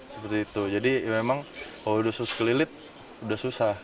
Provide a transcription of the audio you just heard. seperti itu jadi memang kalau udah susu kelilit sudah susah